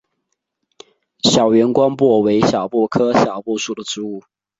万源小檗为小檗科小檗属的植物。